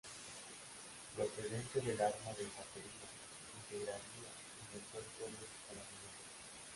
Procedente del arma de Infantería, se integraría en el Cuerpo de Carabineros.